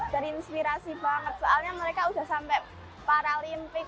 terinspirasi banget soalnya mereka udah sampai paralimpik